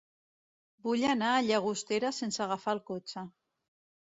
Vull anar a Llagostera sense agafar el cotxe.